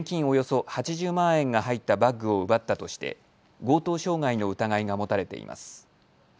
およそ８０万円が入ったバッグを奪ったとして強盗傷害の疑いが持たれています。